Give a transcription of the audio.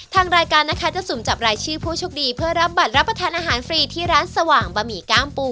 ทางรายการนะคะจะสุ่มจับรายชื่อผู้โชคดีเพื่อรับบัตรรับประทานอาหารฟรีที่ร้านสว่างบะหมี่ก้ามปู